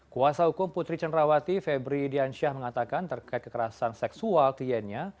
kuasa hukum putri cenrawati febri diansyah mengatakan terkait kekerasan seksual kliennya